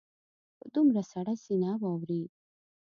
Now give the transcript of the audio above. په دومره سړه سینه واوري.